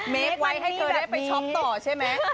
เค้กไว้ให้เธอได้ไปช็อปต่อใช่ไหม